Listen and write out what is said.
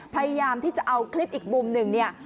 พยายามที่จะเอาคลิปอีกมุมหนึ่งเนี่ย